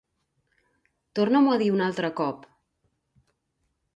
Torna-m'ho a dir un altre cop.